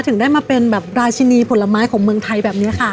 ถึงได้มาเป็นแบบราชินีผลไม้ของเมืองไทยแบบนี้ค่ะ